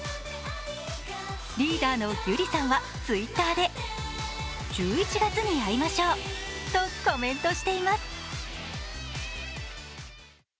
リーダーのギュリさんはＴｗｉｔｔｅｒで「１１月に会いましょう」とコメントしています。